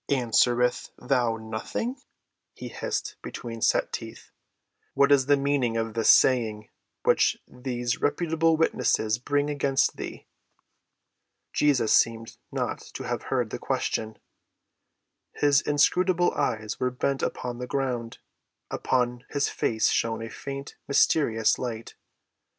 "Answerest thou nothing?" he hissed between set teeth. "What is the meaning of this saying which these reputable witnesses bring against thee?" Jesus seemed not to have heard the question. His inscrutable eyes were bent upon the ground; upon his face shone a faint, mysterious light.